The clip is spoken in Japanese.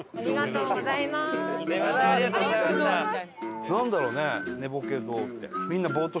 すみませんありがとうございました。